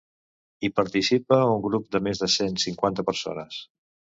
Hi participa un grup de més de cent cinquanta persones.